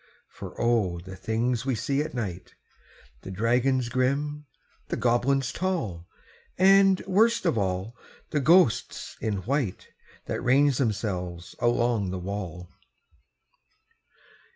For O! the things we see at night The dragons grim, the goblins tall, And, worst of all, the ghosts in white That range themselves along the wall!